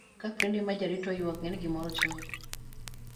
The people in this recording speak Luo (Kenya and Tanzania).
Kafirimbi mar jarito oywak ngeni gimoro timore.